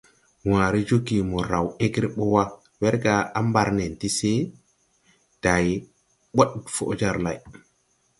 Wããre joge mo raw ɛgre bɔ wa, werga a mbar nen ti se, day bod fɔ jar lay.